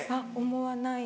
思わない。